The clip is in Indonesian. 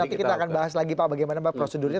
nanti kita akan bahas lagi pak bagaimana pak prosedurnya